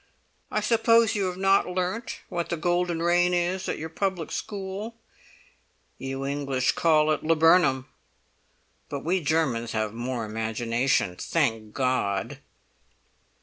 I suppose you have not learnt what the golden rain is at your public school? You English call it laburnum; but we Germans have more imagination, thank God!"